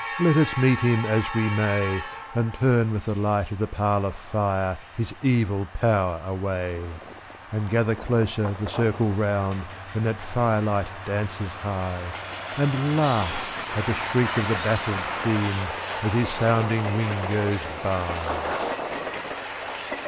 Let us meet him as we may, And turn with the light of the parlor fire his evil power away; And gather closer the circle round, when that fire light dances high, And laugh at the shriek of the baffled Fiend as his sounding wing goes by!